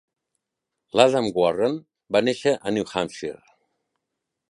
L'Adam Warren va nàixer a New Hampshire.